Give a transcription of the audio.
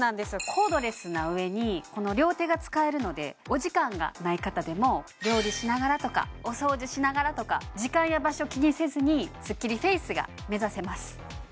コードレスな上にこの両手が使えるのでお時間がない方でも料理しながらとかお掃除しながらとか時間や場所気にせずにスッキリフェイスが目指せます